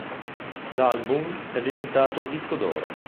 L'album è diventato disco d'oro.